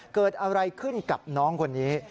เกิดอะไรขึ้นกับน้องคนนี้